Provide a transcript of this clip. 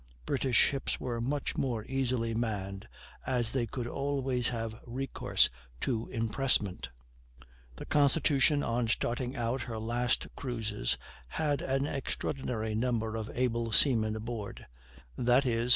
British ships were much more easily manned, as they could always have recourse to impressment. The Constitution on starting out her last cruises had an extraordinary number of able seamen aboard, viz.